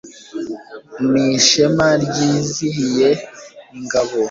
n'ishema ryizihiye ingabo